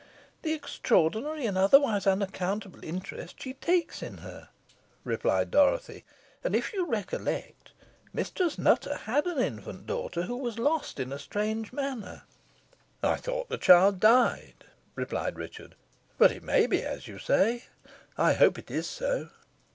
"The extraordinary and otherwise unaccountable interest she takes in her," replied Dorothy. "And, if you recollect, Mistress Nutter had an infant daughter who was lost in a strange manner." "I thought the child died," replied Richard; "but it may be as you say. I hope it is so."